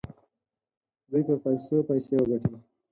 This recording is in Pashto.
دوی پر پیسو پیسې وګټي.